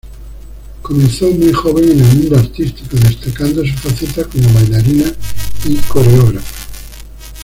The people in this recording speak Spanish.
Comenzó muy joven en el mundo artístico, destacando su faceta como bailarina y coreógrafa.